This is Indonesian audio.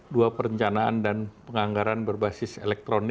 dua perencanaan dan penganggaran berbasis elektronik